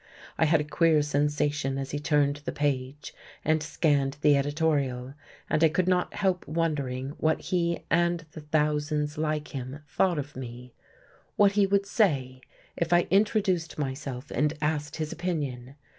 I had a queer sensation as he turned the page, and scanned the editorial; and I could not help wondering what he and the thousands like him thought of me; what he would say if I introduced myself and asked his opinion.